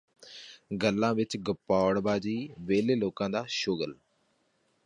ਗੱਲਾਂ ਵਿਚ ਗਪੌੜਬਾਜੀ ਵਿਹਲੇ ਲੋਕਾਂ ਦਾ ਸ਼ੁਗਲ